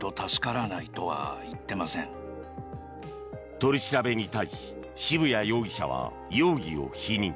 取り調べに対し渋谷容疑者は容疑を否認。